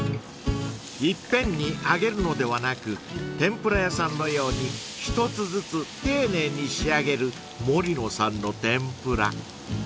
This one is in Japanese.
［いっぺんに揚げるのではなく天ぷら屋さんのように一つずつ丁寧に仕上げる森のさんの天ぷら］